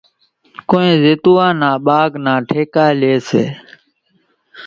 ڪونئين زيتوئان نا ٻاگھ نا ٺيڪا ليئيَ سي۔